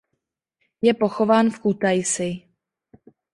Je pochován v Kutaisi.